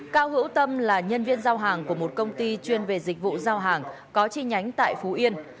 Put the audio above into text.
cao hữu tâm là nhân viên giao hàng của một công ty chuyên về dịch vụ giao hàng có chi nhánh tại phú yên